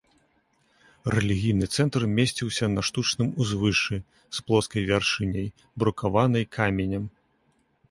Рэлігійны цэнтр месціўся на штучным узвышшы з плоскай вяршыняй, брукаванай каменем.